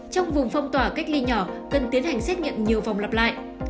trong vùng phong tỏa cách ly nhỏ cần tiến hành xét nghiệm nhiều vòng lặp lại